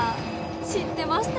知ってましたよ